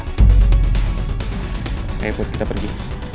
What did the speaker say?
kayaknya putri udah pergi